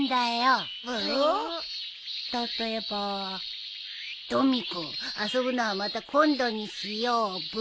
例えば「とみ子遊ぶのはまた今度にしようブー」